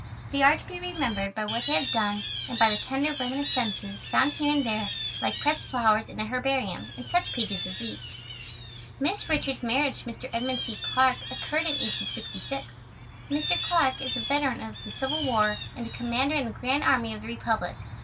They are to be remembered by what they have done and by the tender reminiscences found here and there like pressed flowers in a herbarium, in such pages as these. Miss Richards' marriage to Mr. Edmund C. Clarke occurred in 1866. Mr. Clarke is a veteran of the Civil War and a Commander in the Grand Army of the Republic.